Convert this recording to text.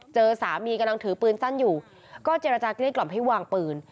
เจอสามีกำลังถือปืนสั้นอยู่ก็เจรจาเกลี้กล่อมให้วางปืน